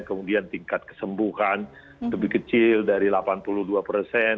kemudian tingkat kesembuhan lebih kecil dari delapan puluh dua persen